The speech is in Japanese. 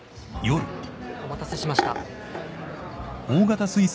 お待たせしました。